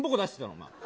お前。